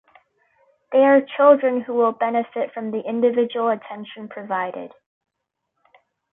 They are children who will benefit from the individual attention provided.